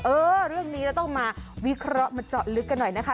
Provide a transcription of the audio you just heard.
เออเรื่องนี้เราต้องมาวิเคราะห์มาเจาะลึกกันหน่อยนะคะ